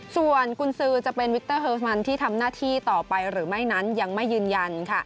ส่วนกุญซือจะเป็นวิกเตอร์เฮอร์สมันที่ทำหน้าที่ต่อไปหรือไม่นั้นยังไม่ยืนยัน